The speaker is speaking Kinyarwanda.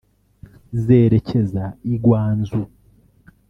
zerekeza i Guangzhou